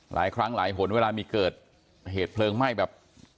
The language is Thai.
หลายครั้งหลายหนเวลามีเกิดเหตุเพลิงไหม้แบบ